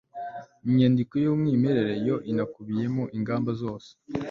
inyandiko y'umwimerere yo inakubiyemo ingamba zose